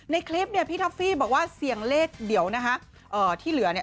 ในคลิปพี่ทัฟฟี่บอกว่าเสียงเลขเดียวนะฮะ